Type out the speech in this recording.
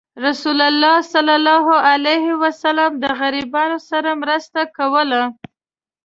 رسول الله صلى الله عليه وسلم د غریبانو سره مرسته کوله.